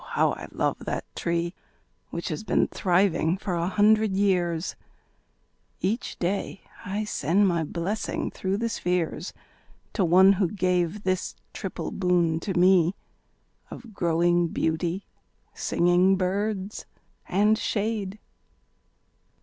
how I love that tree) Which has been thriving for a hundred years; Each day I send my blessing through the spheres To one who gave this triple boon to me, Of growing beauty, singing birds, and shade.